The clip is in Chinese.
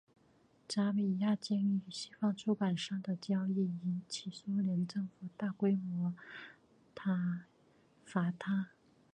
扎米亚京与西方出版商的交易引起苏联政府大规模挞伐他。